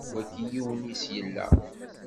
Wagi yiwen-is yella.